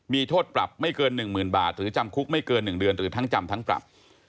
มีโทษปรับไม่เกิน๑๐๐๐บาทหรือจำคุกไม่เกิน๑เดือนหรือทั้งจำทั้งปรับ